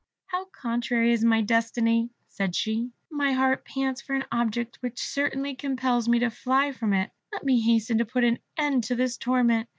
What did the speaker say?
"How contrary is my destiny!" said she. "My heart pants for an object which certainly compels me to fly from it. Let me hasten to put an end to this torment.